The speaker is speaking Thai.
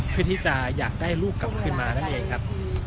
เพื่อที่จะอยากได้ลูกกลับขึ้นมานั่นเองครับ